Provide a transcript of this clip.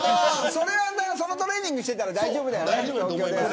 そのトレーニングしてたら大丈夫だよね。